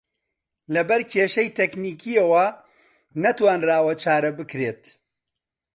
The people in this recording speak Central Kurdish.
لەبەر کێشەی تەکنیکییەوە نەتوانراوە چارە بکرێت